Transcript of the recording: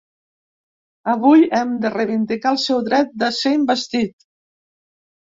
Avui hem de reivindicar el seu dret de ser investit.